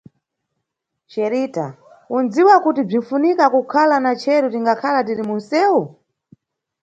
Xerita, unʼdziwa kuti bzinʼfunika kukhala na chero tingakhala tiri munʼsewu?